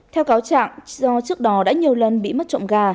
theo cáo trạng do trước đó đã nhiều lần bị mất trộm gà